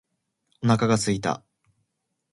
お腹が空いた。